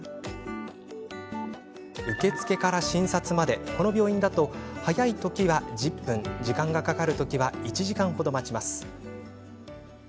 受付から診察までこの病院だと早い時は１０分時間がかかる時は１時間程、待ちます。